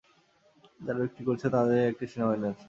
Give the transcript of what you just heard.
যারা বিক্রি করছে তাদের একটি সেনাবাহিনী আছে।